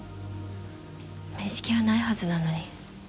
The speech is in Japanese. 面識はないはずなのに。